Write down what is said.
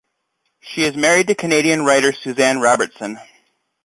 She is married to Canadian writer Suzanne Robertson.